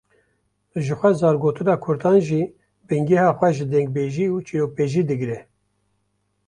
Ji xwe zargotina Kurdan jî bingeha xwe ji dengbêjî û çîrokbêjî digre